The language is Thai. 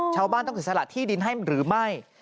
ชาวบ้านต้องเสียสละที่ดินให้มันหรือไม่